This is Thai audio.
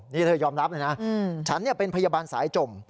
นี่เธอยอมรับเลยนะฉันเป็นพยาบาลสายจม